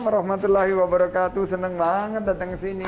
rahmatullahi wabarakatuh senang banget datang ke sini